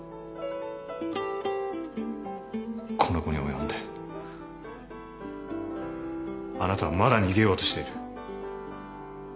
この期に及んであなたはまだ逃げようとしている。